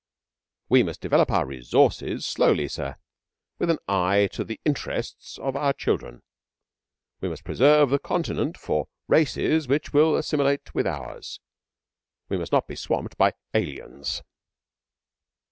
'We must develop our Resources slowly, sir with an Eye to the Interests of our Children. We must preserve the Continent for Races which will assimilate with Ours. We must not be swamped by Aliens.'